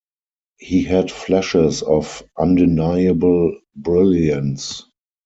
He had flashes of undeniable brilliance.